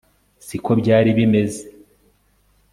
si ko byari bimeze